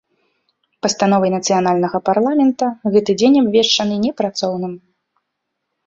Пастановай нацыянальнага парламента гэты дзень абвешчаны непрацоўным.